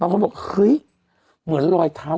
แล้วเขาบอกเฮ้ยเหมือนรอยเท้า